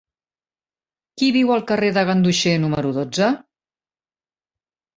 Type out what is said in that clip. Qui viu al carrer de Ganduxer número dotze?